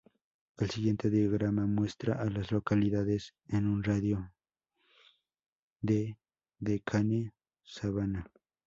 El siguiente diagrama muestra a las localidades en un radio de de Cane Savannah.